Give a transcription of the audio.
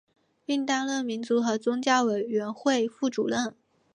并担任民族和宗教委员会副主任。